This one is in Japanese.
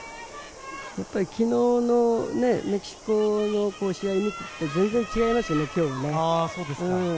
昨日のメキシコの試合を見ると全然違いますよね、今日とね。